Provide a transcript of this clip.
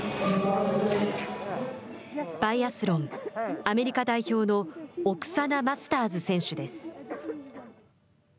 バイアスロン、アメリカ代表のオクサナ・マスターズ選手です。